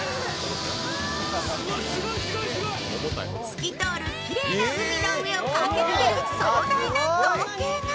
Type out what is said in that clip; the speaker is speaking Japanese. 透き通るきれいな海の上を駆け抜ける爽快な光景が。